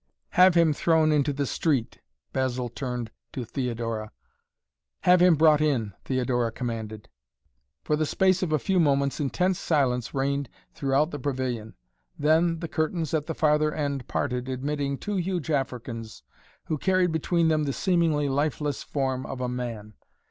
"Have him thrown into the street," Basil turned to Theodora. "Have him brought in," Theodora commanded. For the space of a few moments intense silence reigned throughout the pavilion. Then the curtains at the farther end parted, admitting two huge Africans, who carried between them the seemingly lifeless form of a man.